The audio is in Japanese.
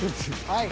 はい。